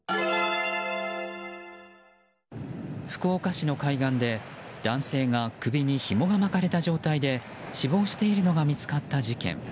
福岡市の海岸で男性が首にひもの巻かれた状態で死亡しているのが見つかった事件。